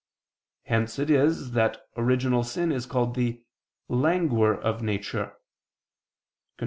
Hence it is that original sin is called the "languor of nature" [*Cf.